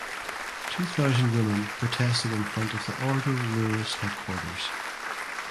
Two thousand women protested in front of the "Ordo Iuris" headquarters.